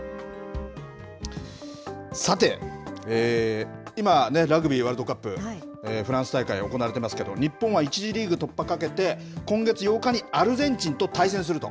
さて、今ね、ラグビーワールドカップ、フランス大会行われてますけど、日本は１次リーグ突破かけて、今月８日にアルゼンチンと対戦すると。